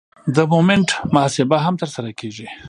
د مومنټ محاسبه هم ترسره کیږي